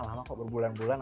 lama kok berbulan bulan